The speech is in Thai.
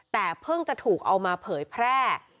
แต่เพิ่งจะถูกเอามาเผยแพร่